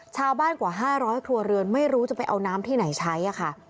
กว่า๕๐๐ครัวเรือนไม่รู้จะไปเอาน้ำที่ไหนใช้ค่ะ